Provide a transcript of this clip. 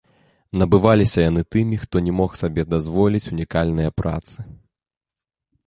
Набываліся яны тымі, хто не мог сабе дазволіць унікальныя працы.